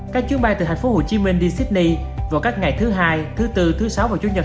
các chuyến bay từ tp hcm đi sydney vào các ngày thứ hai thứ bốn thứ sáu và chủ nhật